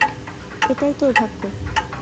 এটাই তোর ভাগ্য!